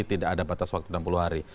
tidak ada batas waktu enam puluh hari